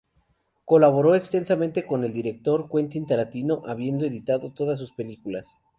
Colaboró extensamente con el director Quentin Tarantino, habiendo editado todas sus películas.